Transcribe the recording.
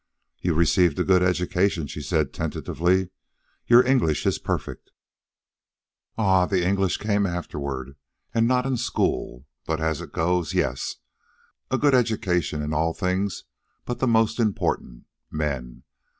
"You received a good education," she said tentatively. "Your English is perfect." "Ah, the English came afterward, and not in school. But, as it goes, yes, a good education in all things but the most important men.